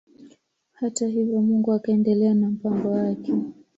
Hata hivyo Mungu akaendelea na mpango wake.